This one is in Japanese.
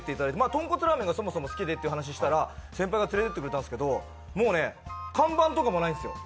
とんこつラーメンがそもそも好きでっていう話をしたら、先輩が連れていってくれたんですけど、もう看板とかもないんですよ